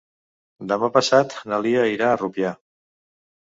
Demà passat na Lia irà a Rupià.